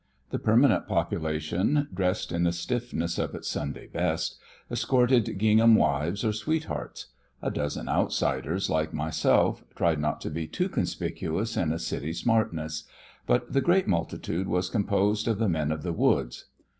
The permanent population, dressed in the stiffness of its Sunday best, escorted gingham wives or sweethearts; a dozen outsiders like myself tried not to be too conspicuous in a city smartness; but the great multitude was composed of the men of the woods.